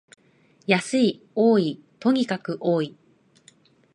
安い、多い、とにかく多い